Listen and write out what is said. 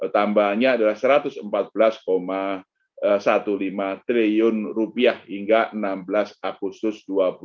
tambahannya adalah rp satu ratus empat belas lima belas triliun hingga enam belas agustus dua ribu dua puluh